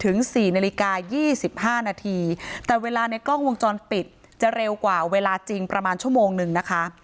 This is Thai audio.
๔นาฬิกา๒๕นาทีแต่เวลาในกล้องวงจรปิดจะเร็วกว่าเวลาจริงประมาณชั่วโมงนึงนะคะ